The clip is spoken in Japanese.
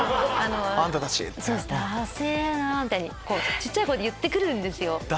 小っちゃい声で言ってくるんですよ。